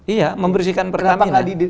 iya membersihkan pertamina